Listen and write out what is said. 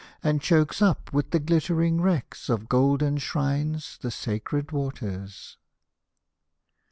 And chokes up with the glittering wrecks Of golden shrines the sacred waters